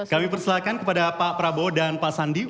kami persilahkan kepada pak prabowo dan pak sandi